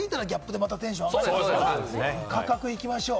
価格、行きましょう。